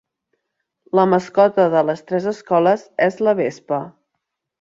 La mascota de les tres escoles és la vespa.